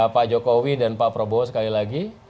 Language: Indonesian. pak jokowi dan pak prabowo sekali lagi